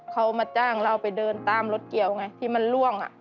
เขามาจ้างเราไปเดินตามรถเกี่ยวไงที่มันล่วง